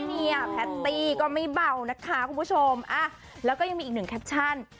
เนี่ยแพตตี้ก็ไม่เบานะคะคุณผู้ชมแล้วก็ยังมีอีกหนึ่งแคปชั่น